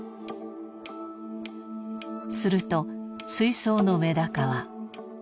すると水槽のメダカは。